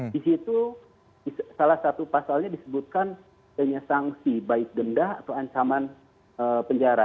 di situ salah satu pasalnya disebutkan adanya sanksi baik denda atau ancaman penjara